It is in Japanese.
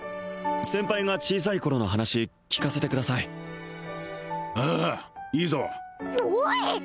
先輩が小さい頃の話聞かせてくださいああいいぞおい！